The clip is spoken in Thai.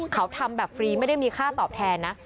เขาทำแบบฟรีไม่ได้มีค่าตอบแทนนะ